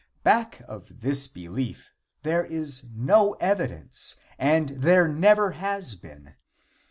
Back of this belief there is no evidence, and there never has been.